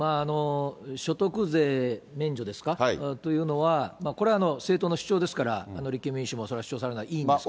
所得税免除ですか、というのは、これは政党の主張ですから、立憲民主が主張するのはそれはいいんですけれども。